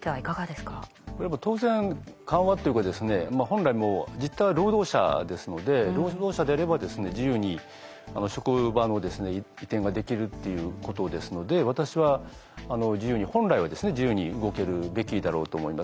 これ当然緩和っていうか本来実態は労働者ですので労働者であれば自由に職場の移転ができるっていうことですので私は本来は自由に動けるべきだろうと思います。